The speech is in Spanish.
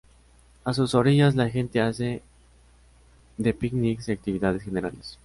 A sus orillas la gente hace de picnics y actividades generales.